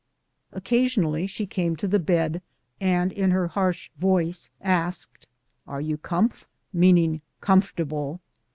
Occasionally she came to the bed, and in her harsh voice asked, "Are you comph ?"— meaning comfortable.